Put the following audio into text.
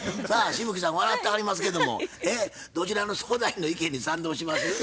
さあ紫吹さん笑ってはりますけどもどちらの相談員の意見に賛同します？